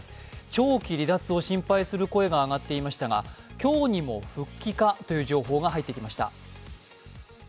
長期離脱を心配する声が上がっていましたが今日にも復帰かという情報が入ってきました。